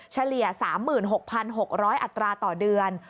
เฉลี่ย๓๖๖๐๐อัตราต่อเดือน